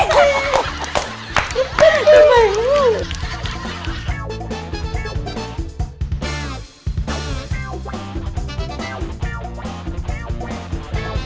โปรดติดตามตอนต่อไป